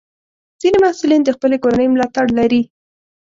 ځینې محصلین د خپلې کورنۍ ملاتړ لري.